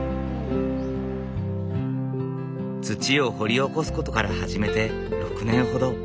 土を掘り起こすことから始めて６年ほど。